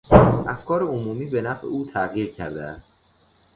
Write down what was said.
افکار عمومی به نفع او تغییر کرده است.